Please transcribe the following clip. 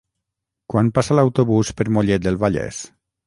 Quan passa l'autobús per Mollet del Vallès?